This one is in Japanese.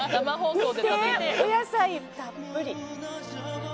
見て、お野菜たっぷり。